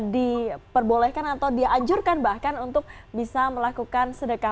diperbolehkan atau dianjurkan bahkan untuk bisa melakukan sedekah